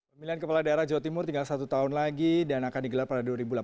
pemilihan kepala daerah jawa timur tinggal satu tahun lagi dan akan digelar pada dua ribu delapan belas